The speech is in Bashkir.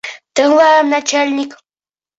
Тыңлайым, нәчәлник!